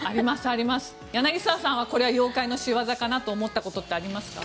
柳澤さんはこれは妖怪の仕業かなと思ったことはありますか？